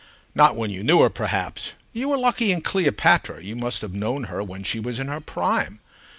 Not when you knew her, perhaps. You were lucky in Cleopatra, you must have known her when she was in her prime.